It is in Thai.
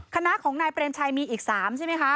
คณะของนายเปรมชัยมีอีก๓ใช่ไหมคะ